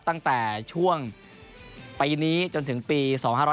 ตั้งแต่ช่วงปีนี้จนถึงปี๒๕๕๙